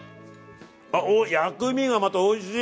あ薬味がまたおいしい！